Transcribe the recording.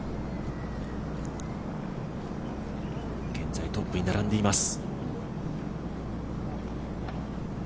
現在トップに並んでいます。